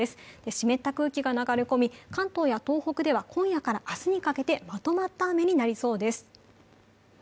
湿った空気が流れ込み、関東や東北では今夜から明日にかけてまとまった雨になりそうです。